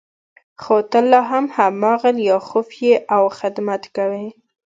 خو ته لا هم هماغه لیاخوف یې او خدمت کوې